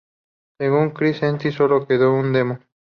Según Chris Stein, solo quedó en un demo.